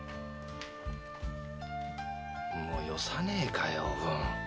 よさねえかよおぶん。